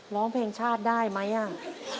ร้องเพลงชาติได้ไหมอ่ะ